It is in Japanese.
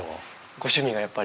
ご趣味がやっぱり。